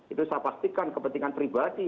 itu saya pastikan kepentingan pribadi